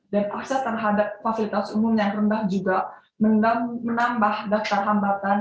dan akses terhadap fasilitas umum yang rendah juga menambah daftar hambatan